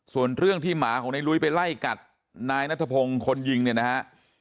ส่วนเรื่องที่หมาของในลุ้ยไปไล่กัดนายนัทพงศ์คนยิงเนี่ยนะฮะ